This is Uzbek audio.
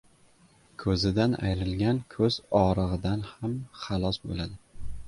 • Ko‘zidan ayrilgan ko‘z og‘rig‘idan ham xalos bo‘ladi.